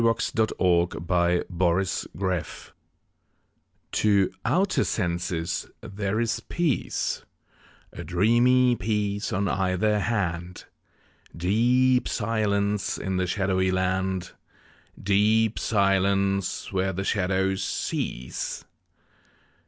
fi4S] II LA FUITE DE LA LUNE TO outer senses there is peace, A dreamy peace on either hand, Deep silence in the shadowy land, Deep silence where the shadows cease.